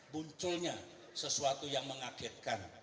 bunculnya sesuatu yang mengagetkan